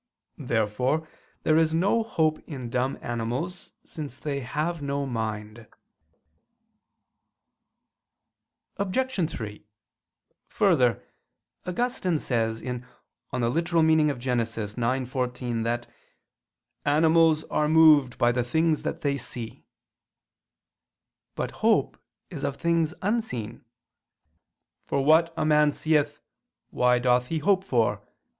Therefore there is no hope in dumb animals, since they have no mind. Obj. 3: Further, Augustine says (Gen. ad lit. ix, 14) that "animals are moved by the things that they see." But hope is of things unseen: "for what a man seeth, why doth he hope for?"